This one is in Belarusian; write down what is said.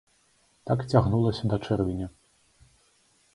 Так цягнулася да чэрвеня.